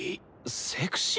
セクシー？